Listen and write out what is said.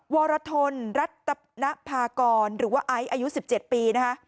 วรทนรัตนภากรหรือว่าไอซ์อายุ๑๗ปีนะคะ